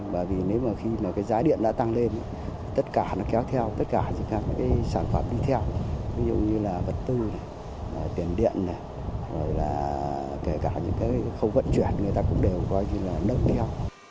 bởi vì nếu mà khi mà cái giá điện đã tăng lên tất cả nó kéo theo tất cả những cái sản phẩm đi theo ví dụ như là vật tư tiền điện rồi là kể cả những cái khâu vận chuyển người ta cũng đều coi như là nớt theo